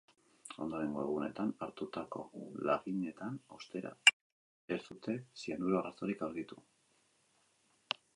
Ondorengo egunetan hartutako laginetan, ostera, ez dute zianuro arrastorik aurkitu.